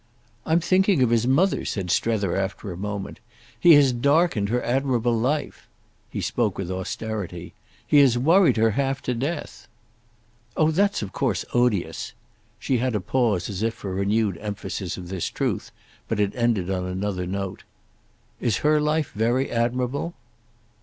"I'm thinking of his mother," said Strether after a moment. "He has darkened her admirable life." He spoke with austerity. "He has worried her half to death." "Oh that's of course odious." She had a pause as if for renewed emphasis of this truth, but it ended on another note. "Is her life very admirable?"